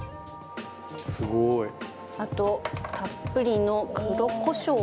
あとたっぷりの黒コショウ。